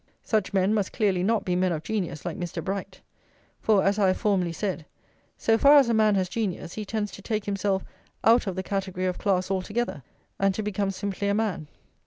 Such men must clearly not be men of genius like Mr. Bright; for, as I have formerly said, so far as a man has genius he tends to take himself out of the category of class altogether, and to become simply a man.